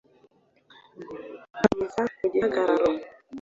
nta n'impiza mu gihagararo